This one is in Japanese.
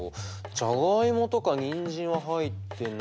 じゃがいもとかにんじんは入ってないし。